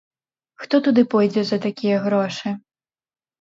Хто туды пойдзе за такія грошы?